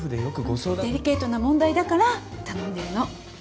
うんデリケートな問題だから頼んでるの。